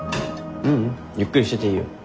ううんゆっくりしてていいよ。